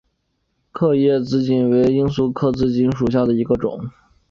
刻叶紫堇为罂粟科紫堇属下的一个种。